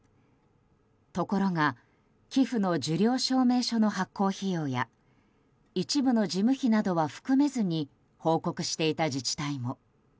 ところが、寄付の受領証明書の発行費用や一部の事務費などは含めずに報告していた自治体も。